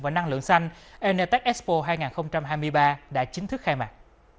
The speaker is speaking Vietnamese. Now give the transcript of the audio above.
và năng lượng xanh enetex expo hai nghìn hai mươi ba đã chính thức khai mạc